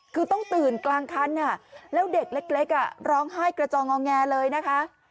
คือต้องตื่นกลางคันแล้วเด็กเล็กร้องไห้กระจองงอแงเลยนะคะ